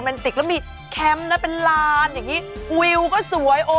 ตามแอฟผู้ชมห้องน้ำด้านนอกกันเลยดีกว่าครับ